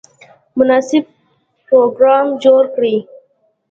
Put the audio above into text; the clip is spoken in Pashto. مناسب پروګرام جوړ کړي.